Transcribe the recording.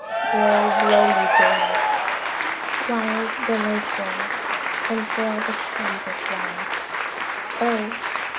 Blow, blow, ye gales! wild billows roll! Unfurl the canvas wide! O!